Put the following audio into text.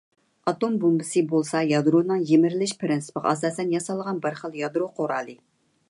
ئاتوم بومبىسى بولسا يادرونىڭ يىمىرىلىش پىرىنسىپىغا ئاساسەن ياسالغان بىرخىل يادرو قورالى.